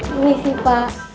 ini sih pak